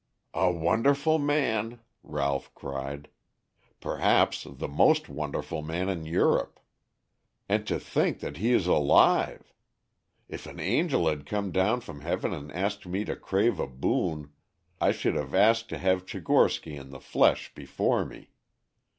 "A wonderful man," Ralph cried; "perhaps the most wonderful man in Europe. And to think that he is alive! If an angel had come down from heaven and asked me to crave a boon, I should have asked to have Tchigorsky in the flesh before me.